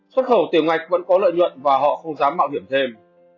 xuất khẩu tiểu ngạch vẫn có lợi nhuận và họ không dám mạo hiểm thêm